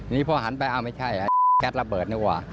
นี่พอหันไปอ้าวไม่ใช่แก๊สระเบิดนี่ว่ะ